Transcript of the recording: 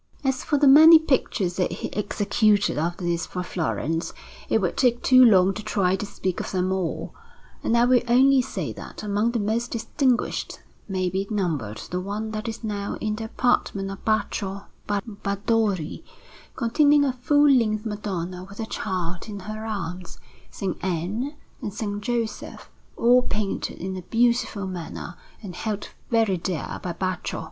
As for the many pictures that he executed after this for Florence, it would take too long to try to speak of them all; and I will only say that among the most distinguished may be numbered the one that is now in the apartment of Baccio Barbadori, containing a full length Madonna with a Child in her arms, S. Anne, and S. Joseph, all painted in a beautiful manner and held very dear by Baccio.